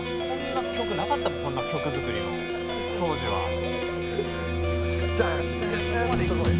「こんな曲なかったもんこんな曲作りの当時は」